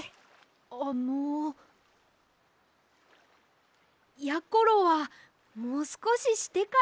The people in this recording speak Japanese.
あのやころはもうすこししてからかえります。